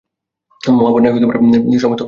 মহা বন্যায় সমস্ত পৃথিবী ভাসিয়া যাইবে।